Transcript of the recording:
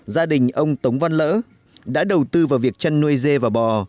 gia đình ông tống văn lỡ đã đầu tư vào việc chăn nuôi dê và bò